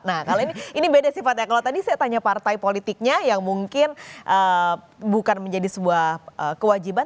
nah kalau ini beda sifatnya kalau tadi saya tanya partai politiknya yang mungkin bukan menjadi sebuah kewajiban